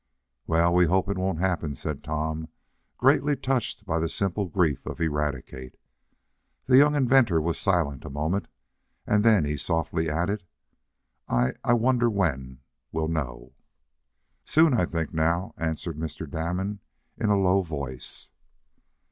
"Well, we hope it won't happen," said Tom, greatly touched by the simple grief of Eradicate. The young inventor was silent a moment, and then he softly added: "I I wonder when when we'll know?" "Soon now, I think," answered Mr. Damon, in a low voice.